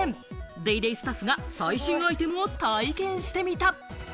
『ＤａｙＤａｙ．』スタッフが最新アイテムを体験してみた。